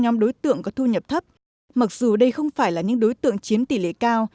nhóm đối tượng có thu nhập thấp mặc dù đây không phải là những đối tượng chiếm tỷ lệ cao